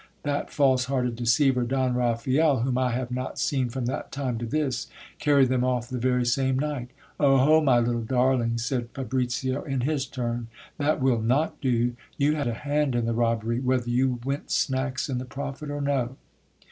That false hearted deceiver, Don Raphael, whom I have not seen from that time to this, carried them off the very same night. O ho ! my little darling, said Fa bricio in his turn, that will not do, you had a hand in the robbery, whether you went snacks in the profit or no.